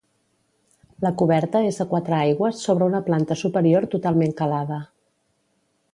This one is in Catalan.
La coberta és a quatre aigües sobre una planta superior totalment calada.